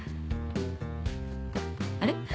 あれ？